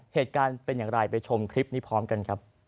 เหตุการณ์เป็นอย่างไรไปชมคลิปนี้พร้อมกันครับ